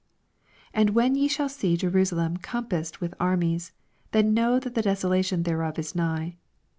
20 And when ye shall see JeroBalem compassed with armies, then know that the desolation thereof is nigh.